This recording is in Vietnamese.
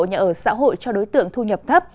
nhà ở xã hội cho đối tượng thu nhập thấp